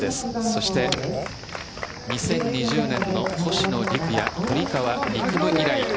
そして、２０２０年の星野陸也堀川未来